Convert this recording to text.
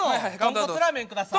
豚骨ラーメン下さい。